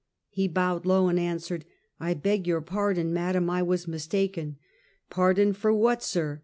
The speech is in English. " He bowed low, and answered :" I beg your pardon, madam. I was mistaken." " Pardon for what, sir?